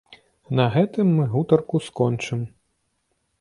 На гэтым мы гутарку скончым.